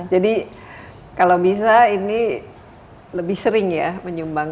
jadi kalau bisa ini lebih sering ya menyumbang